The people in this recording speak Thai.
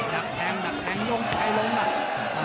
ดักแทงดักแทงลงไปลงละ